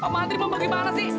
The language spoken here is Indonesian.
pak andri mau bagaimana sih